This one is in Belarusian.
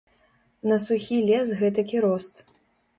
На сухі лес гэтакі рост.